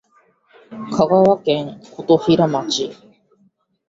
香川県琴平町